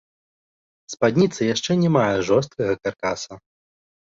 Спадніца яшчэ не мае жорсткага каркаса.